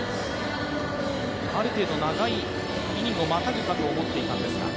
ある程度長いイニングをまたぐかと思っていたんですが。